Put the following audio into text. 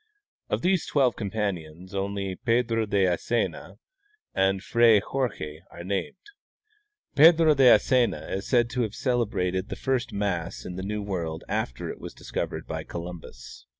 Of these twelve com panions only Pedro de Asena and Fray Jorje are named. Pedro de Asena is said to have celebrated the first mass in the new world after it was discovered by Columbus.